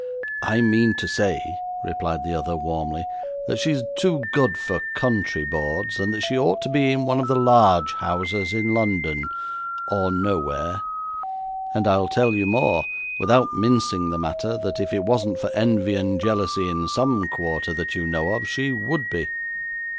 'I mean to say,' replied the other, warmly, 'that she is too good for country boards, and that she ought to be in one of the large houses in London, or nowhere; and I tell you more, without mincing the matter, that if it wasn't for envy and jealousy in some quarter that you know of, she would be.